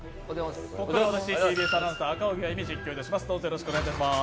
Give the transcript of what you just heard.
ここからは私、ＴＢＳアナウンサー赤荻歩が実況いたします。